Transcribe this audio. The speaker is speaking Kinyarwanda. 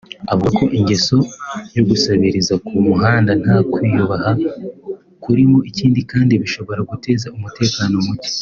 avuga ko ingeso yo gusabiriza ku muhanda nta kwiyubaha kurimo ikindi kandi bishobora guteza umutekano muke